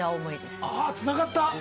あつながった！